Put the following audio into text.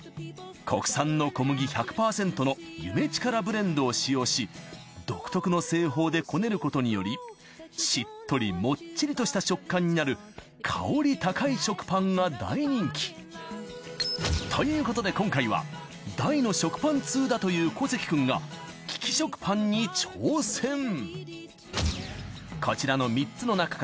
国産の小麦１００％のゆめちからブレンドを使用し独特の製法で捏ねることによりしっとりもっちりとした食感になる香り高い食パンが大人気。ということで今回は大の食パン通だという小関くんが利き食パンに挑戦。